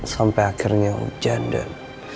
sampai akhirnya hujan dan